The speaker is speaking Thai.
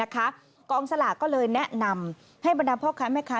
กองสลากก็เลยแนะนำให้บรรดาพ่อค้าแม่ค้า